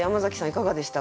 いかがでしたか？